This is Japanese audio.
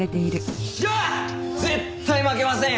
絶対負けませんよ！